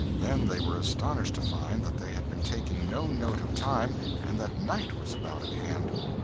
Then they were astonished to find that they had been taking no note of time and that night was about at hand.